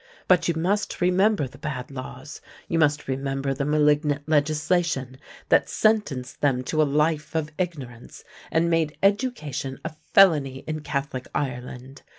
But you must remember the bad laws, you must remember the malignant legislation, that sentenced them to a life of ignorance, and made education a felony in Catholic Ireland.